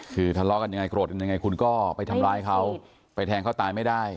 คือทะเลาะกันยังไงโกรธกันยังไงคุณก็ไปทำร้ายเขาไปแทงเขาตายไม่ได้